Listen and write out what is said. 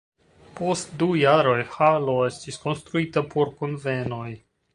Post du jaroj halo estis konstruita por kunvenoj.